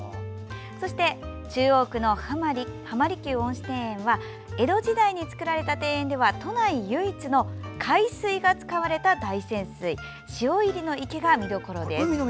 そして中央区の浜離宮恩賜庭園は江戸時代に造られた庭園では都内唯一の海水が使われた大泉水潮入りの池が見どころです。